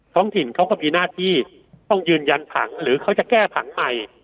ท้องถิ่นเขาก็มีหน้าที่ต้องยืนยันผังหรือเขาจะแก้ผังใหม่